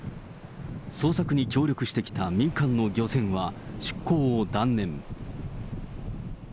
捜索に協力してきた民間の漁船は出航を断念。